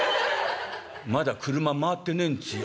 まだ俥回ってねんですよ」。